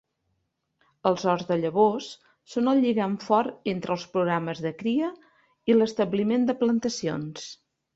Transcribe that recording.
Els horts de llavors són el lligam fort entre els programes de cria i l'establiment de plantacions.